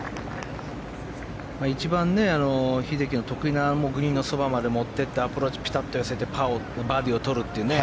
一番、英樹が得意なグリーンのそばまで持っていってアプローチをピタッと寄せてバーディーをとるっていうね。